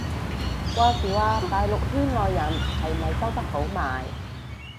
話時話大陸圈內人係咪收得好埋